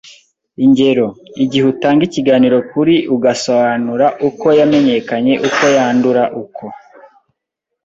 Ingero: Igihe utanga ikiganiro kuri ugasoanura uko yamenyekanye uko yandura uko